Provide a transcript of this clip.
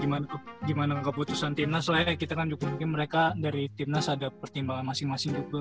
ya tapi gimana keputusan timnas lah ya kita kan juga mungkin mereka dari timnas ada pertimbangan masing masing juga kali ya